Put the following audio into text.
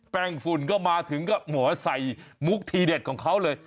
แป้งฝุ่นก็มาถึงก็หมอใส่มุกทีเด็ดของเขาเลย